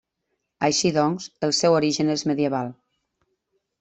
Així doncs el seu origen és medieval.